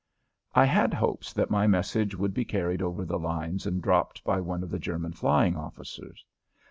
I had hopes that my message would be carried over the lines and dropped by one of the German flying officers.